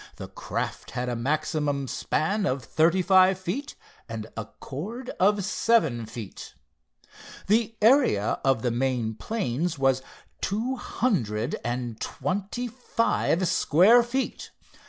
The craft had a maximum span of thirty five feet and a chord of seven feet. The area of the main planes was two hundred and twenty five square feet.